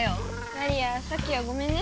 マリアさっきはごめんね。